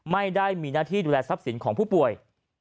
ไม่ได้มีหน้าที่ดูแลทรัพย์สินของผู้ป่วย